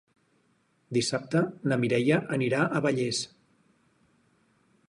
Dissabte na Mireia anirà a Vallés.